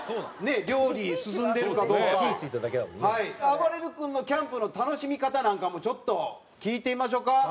あばれる君のキャンプの楽しみ方なんかもちょっと聞いてみましょうか。